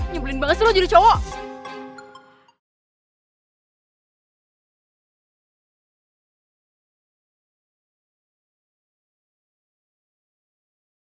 nyebelin banget sih lu jadi cowok